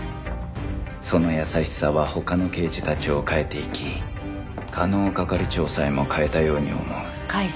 その優しさは他の刑事たちを変えていき加納係長さえも変えたように思う